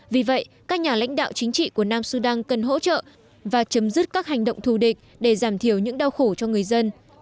vì vậy các nhà lãnh đạo chính trị của nam sudan cần hỗ trợ và chấm dứt các hành động thù địch để giảm thiểu những đau khổ cho người dân